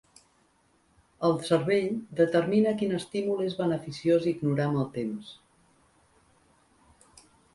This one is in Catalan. El cervell determina quin estímul és beneficiós ignorar amb el temps.